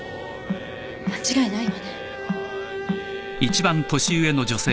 間違いないわね。